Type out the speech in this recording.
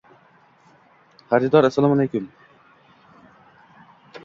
Xaridor: Assalomu Alaykum